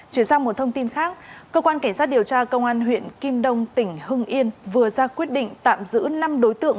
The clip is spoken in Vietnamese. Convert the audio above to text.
chuyển sang một thông tin khác cơ quan cảnh sát điều tra công an huyện kim đông tỉnh hưng yên vừa ra quyết định tạm giữ năm đối tượng